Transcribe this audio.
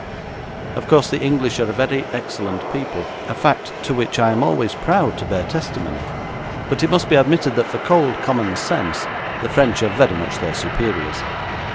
Of course, the English are a very excellent people, a fact to which I am always proud to bear testimony, but it must be admitted that for cold common sense the French are very much their superiors.